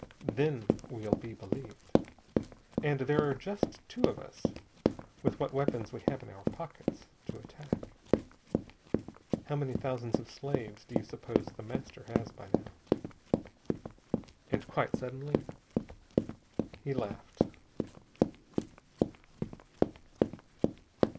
Then we'll be believed. And there are just two of us, with what weapons we have in our pockets, to attack. How many thousands of slaves do you suppose The Master has by now?" And, quite suddenly, he laughed.